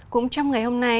cũng trong ngày hôm nay